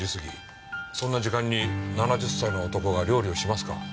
そんな時間に７０歳の男が料理をしますか？